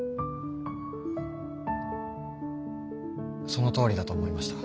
そのとおりだと思いました。